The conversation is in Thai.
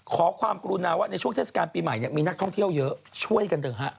ขอความกรุณาว่าในช่วงเทศกาลปีใหม่มีนักท่องเที่ยวเยอะช่วยกันเถอะฮะ